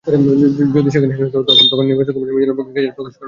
যদি সেখানে হেরে যান, তখন নির্বাচন কমিশন মিজানুরের পক্ষে গেজেট প্রকাশ করবে।